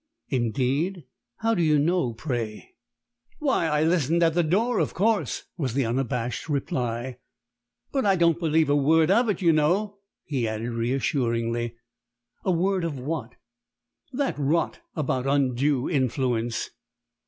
"Indeed? How do you know, pray?" "Why, I listened at the door, of course," was the unabashed reply. "But I don't believe a word of it, you know," he added reassuringly. "A word of what?" "That rot about undue influence."